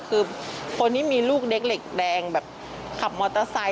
คือคนที่มีลูกเด็กเหล็กแดงแบบขับมอเตอร์ไซค